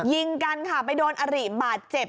ยิงกันค่ะไปโดนอริบาดเจ็บ